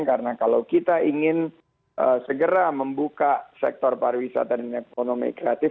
karena kalau kita ingin segera membuka sektor para wisata dan centra ekonomi kreatif